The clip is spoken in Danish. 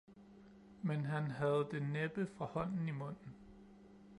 Men han havde det næppe fra hånden i munden